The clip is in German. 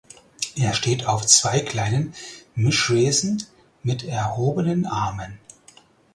Er steht auf zwei kleinen Mischwesen mit erhobenen Armen.